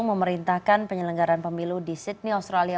memerintahkan penyelenggaran pemilu di sydney australia